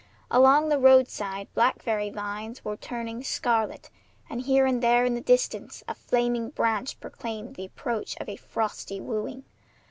Along the roadside blackberry vines were turning scarlet, and here and there in the distance a flaming branch proclaimed the approach of a frosty wooing.